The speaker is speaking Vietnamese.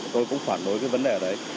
tôi cũng phản đối với vấn đề đấy